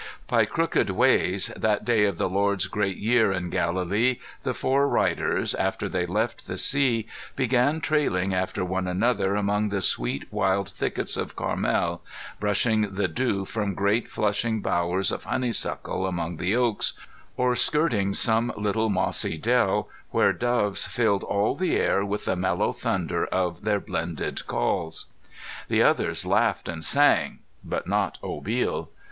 By crooked ways, that day of the Lord's Great Year in Galilee the four riders, after they left the sea, began trailing after one another among the sweet wild thickets of Carmel, brushing the dew from great flushing bowers of honeysuckle among the oaks, or skirting some little mossy dell where doves filled all the air with the mellow thunder of their blended calls. The others laughed and sang, but not Obil.